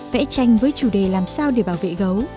vẽ tranh với chủ đề làm sao để bảo vệ gấu